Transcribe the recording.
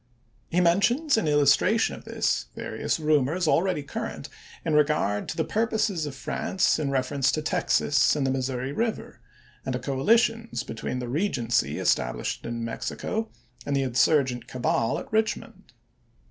He mentions, in illustration of this, various rumors, already current, in regard to the purposes of France in reference to Texas and the Mississippi River, and to coalitions between the Re gency established in Mexico and the insurgent cabal at Richmond.